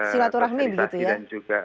silaturahmi begitu ya